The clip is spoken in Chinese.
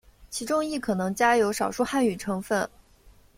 其中亦可能夹有少数汉语成分。